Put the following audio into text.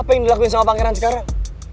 apa yang dilakuin sama pangeran sekarang